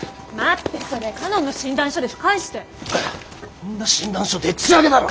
こんな診断書でっちあげだろ！